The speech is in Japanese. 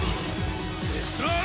レスラー！